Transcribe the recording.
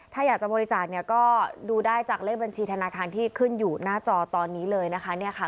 ถ้าอยากจะบริจาคเนี่ยก็ดูได้จากเลขบัญชีธนาคารที่ขึ้นอยู่หน้าจอตอนนี้เลยนะคะ